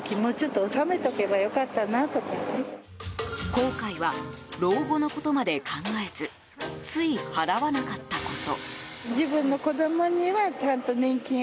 後悔は、老後のことまで考えずつい払わなかったこと。